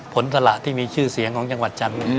สละที่มีชื่อเสียงของจังหวัดจันทร์